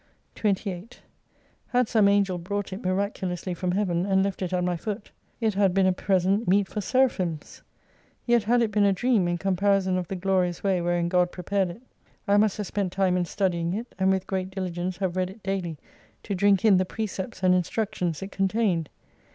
28 Had some Angel brought it miraculously from heaven, and left it at my foot, it had been a present meet for 'i8o Seraphims. Yet had it been a dream in comparison of the glorious way wherein God prepared it. I must have spent time in studying it, and with great diligence have read it daily to drink in the precepts and instruc tions it contained.